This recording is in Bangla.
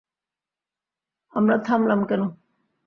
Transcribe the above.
আমরা থামলাম কেন?